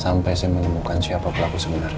sampai saya menemukan siapa pelaku sebenarnya